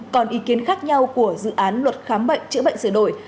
còn ý kiến khác nhau của dự án luật khám bệnh chữa bệnh sửa đổi